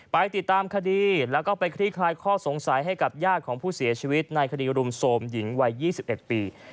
ไปติดตามคดีแล้วก็ไปคลี่คลายข้อสงสัยให้กับญาติของผู้เสียชีวิตในคดีรุมโทรมหญิงวัย๒๑ปี